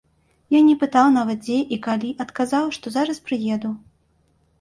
Я не пытаў нават, дзе і калі, адказаў, што зараз прыеду.